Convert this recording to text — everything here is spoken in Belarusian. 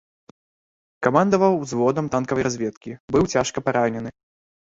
Камандаваў узводам танкавай разведкі, быў цяжка паранены.